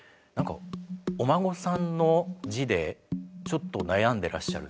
お孫さんの字でちょっと悩んでらっしゃる。